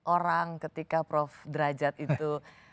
orang ketika prof derajat itu